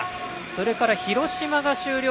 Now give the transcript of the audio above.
それから、広島が終了。